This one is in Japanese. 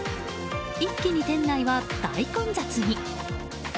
一気に店内は大混雑に。